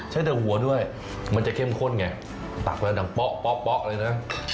ใช้แต่หัวด้วยมันจะเข้มข้นไงตักแล้วดังเป๊ะเลยนะ